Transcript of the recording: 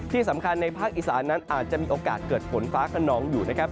ที่สำคัญในภาคอีสานั้นอาจจะมีโอกาสเกิดฝนฟ้าขนองอยู่นะครับ